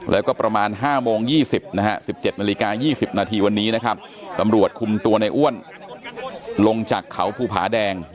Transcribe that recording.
แล้วก็ประมาณ๕โมง๒๐นะฮะ๑๗นาฬิกา๒๐นาทีวันนี้นะครับตำรวจคุมตัวในอ้วนลงจากเขาภูผาแดง